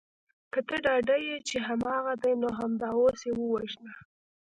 که ته ډاډه یې چې هماغه دی نو همدا اوس یې ووژنه